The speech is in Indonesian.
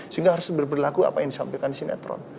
sehingga harus berberlaku apa yang disampaikan di sinetron